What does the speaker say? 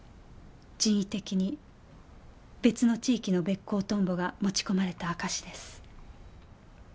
人為的に別の地域のベッコウトンボが持ち込まれた証です。